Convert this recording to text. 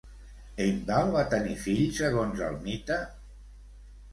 Heimdall va tenir fills, segons el mite?